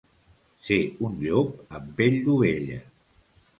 Ser un llop amb pell d'ovella.